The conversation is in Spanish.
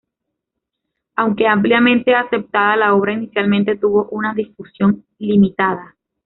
Aunque ampliamente aceptada, la obra inicialmente tuvo una difusión limitada.